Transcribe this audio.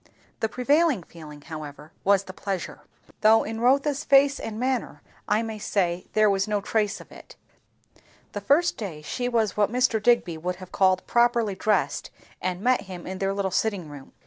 The prevailing feeling however was the pleasure; though in Rotha's face and manner I may say there was no trace of it, the first day she was what Mr. Digby would have called "properly dressed," and met him in their little sitting room.